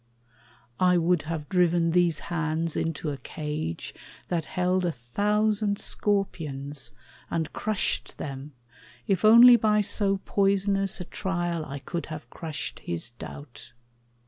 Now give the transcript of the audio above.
I would have driven these hands into a cage That held a thousand scorpions, and crushed them, If only by so poisonous a trial I could have crushed his doubt.